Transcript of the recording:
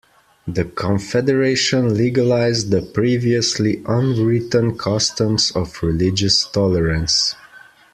The confederation legalized the previously unwritten customs of religious tolerance.